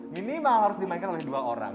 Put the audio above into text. minimal harus dimainkan oleh dua orang